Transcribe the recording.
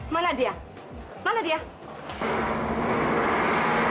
mana dia mana dia